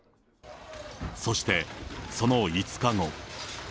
そして、その５日後。